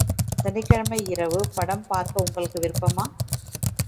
சனிக்கிழமை இரவு படம் பார்க்க உங்களுக்கு விருப்பமா?